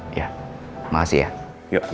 bener bener kali ini lo gak bisa lolos